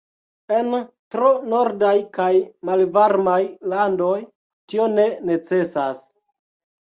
En tro nordaj kaj malvarmaj landoj, tio ne necesas.